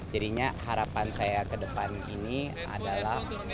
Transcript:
jadinya harapan saya ke depan ini adalah